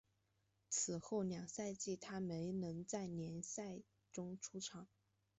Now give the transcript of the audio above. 此后两个赛季他没能在联赛中出场。